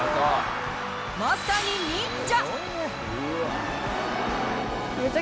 まさに忍者。